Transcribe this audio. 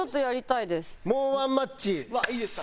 いいですか？